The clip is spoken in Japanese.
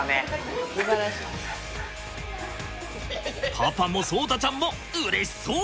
パパも聡太ちゃんもうれしそう！